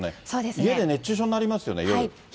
家で熱中症になりますよね、夜。